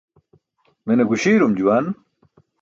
Mene guśiirum juwan.